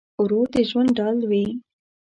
ورور د ژوند ډال وي.